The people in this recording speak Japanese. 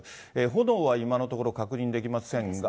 炎は今のところ、確認できませんが。